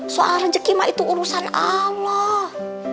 soal rezeki mah itu urusan allah